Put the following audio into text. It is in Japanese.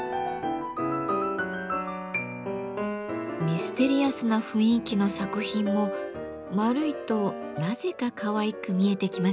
ミステリアスな雰囲気の作品も丸いとなぜかかわいく見えてきませんか？